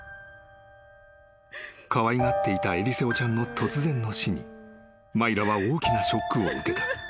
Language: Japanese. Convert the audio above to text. ［かわいがっていたエリセオちゃんの突然の死にマイラは大きなショックを受けた］